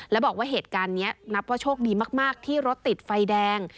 และบอกว่าเหตุการณ์นี้นับว่าโชคดีมากที่รถติดไฟแดง